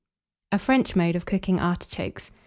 A FRENCH MODE OF COOKING ARTICHOKES.